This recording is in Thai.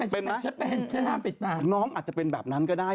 เป็นไหมน้องอาจจะเป็นแบบนั้นก็ได้